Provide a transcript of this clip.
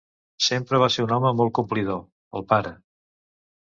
Sempre va ser un home molt complidor, el pare.